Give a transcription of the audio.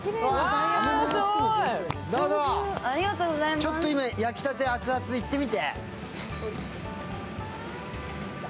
ちょっと今、焼きたてアツアツいってみて。